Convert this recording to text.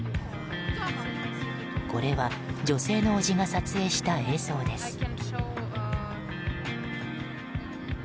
これは女性の叔父が撮影した映像です。